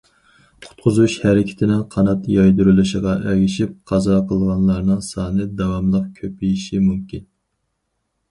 قۇتقۇزۇش ھەرىكىتىنىڭ قانات يايدۇرۇلۇشىغا ئەگىشىپ، قازا قىلغانلارنىڭ سانى داۋاملىق كۆپىيىشى مۇمكىن.